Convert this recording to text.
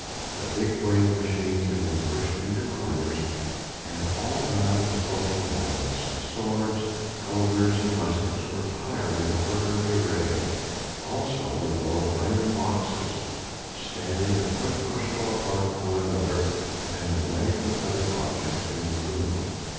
The big weighing machines had been pushed into corners, and all round the sloping walls swords, cullivers and muskets were piled in orderly array, also a row of iron boxes standing a foot or so apart from one another and away from any other objects in the room.